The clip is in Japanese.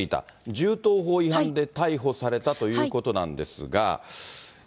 銃刀法違反で逮捕されたということなんですが。